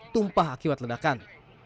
tumpah akibat ledakan